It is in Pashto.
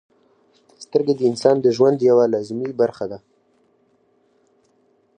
• سترګې د انسان د ژوند یوه لازمي برخه ده.